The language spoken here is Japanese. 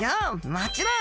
もちろん！